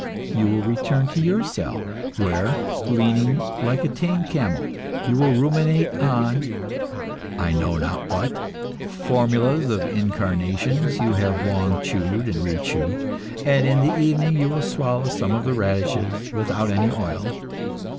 You will return to your cell, where, leaning like a tame camel, you will ruminate on I know not what formulas of incarnations you have long chewed and rechewed, and in the evening you will swallow some radishes without any oil.